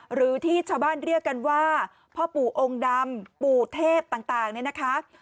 หรือที่ชาวบ้านเรียกกันว่าพ่อปู่องค์ดำปู่เทพต่างเนี่ยนะคะ